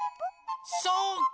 そうか！